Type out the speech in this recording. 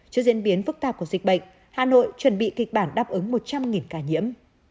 trước diễn biến phức tạp của dịch bệnh hà nội chuẩn bị kịch bản đáp ứng một trăm linh ca nhiễm